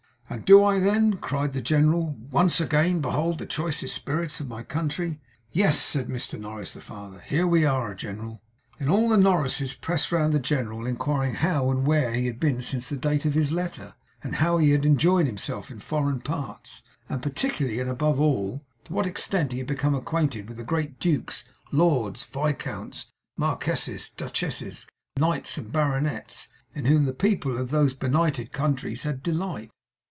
'And do I then,' cried the general, 'once again behold the choicest spirits of my country!' 'Yes,' said Mr Norris the father. 'Here we are, general.' Then all the Norrises pressed round the general, inquiring how and where he had been since the date of his letter, and how he had enjoyed himself in foreign parts, and particularly and above all, to what extent he had become acquainted with the great dukes, lords, viscounts, marquesses, duchesses, knights, and baronets, in whom the people of those benighted countries had delight.